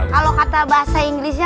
kalau kata bahasa inggrisnya